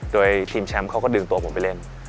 โดยทีมแชมป์เขาก็ดึงตัวผมไปเล่น